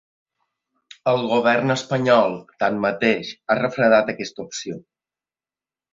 El govern espanyol, tanmateix, ha refredat aquesta opció.